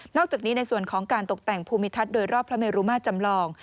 อกจากนี้ในส่วนของการตกแต่งภูมิทัศน์โดยรอบพระเมรุมาตรจำลอง